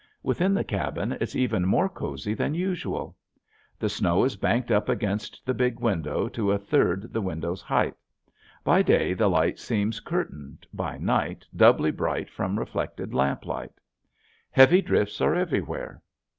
Within the cabin it's even more cozy than usual. The snow is banked up against the big window to a third the window's height. By day the light seems curtained, by night doubly bright from reflected lamplight. Heavy drifts are everywhere.